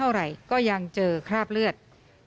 เท่าไรก็ยังเจอคราฟเลือดก็ยังเจอคราฟเลือด